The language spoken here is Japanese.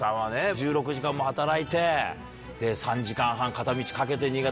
１６時間も働いて３時間半片道かけて新潟